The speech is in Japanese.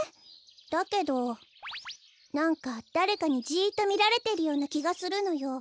だけどなんかだれかにジッとみられてるようなきがするのよ。